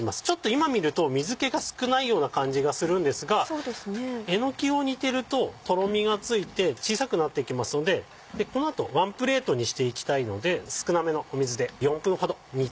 今見ると水気が少ないような感じがするんですがえのきを煮ているととろみがついて小さくなっていきますのでこの後ワンプレートにしていきたいので少なめの水で。